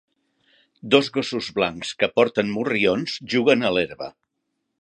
Dos gossos blancs que porten morrions juguen a l'herba